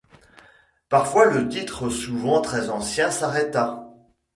Parfois le titre, souvent très ancien, s'arrêta.